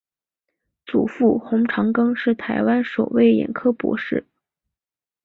祖父洪长庚是台湾首位眼科博士。